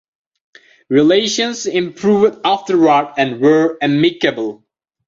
Relations improved afterward and were amicable.